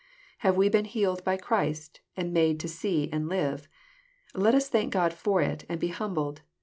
Have we been healed by Christ, and made to see and live? Let us thank God for it, and be humbled.